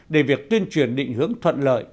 để việc tuyên truyền định hướng thuận lợi